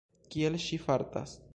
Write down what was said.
Kiel ŝi fartas?